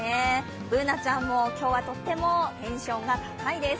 Ｂｏｏｎａちゃんも今日はとってもテンションが高いです。